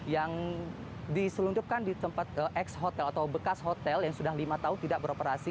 yang diselundupkan di tempat ex hotel atau bekas hotel yang sudah lima tahun tidak beroperasi